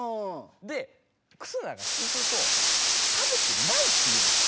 で忽那がそうすると「食べてない」って言うんですよ。